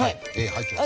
入ってます。